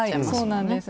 そうなんです。